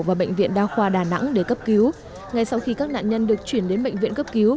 và bệnh viện đa khoa đà nẵng để cấp cứu ngay sau khi các nạn nhân được chuyển đến bệnh viện cấp cứu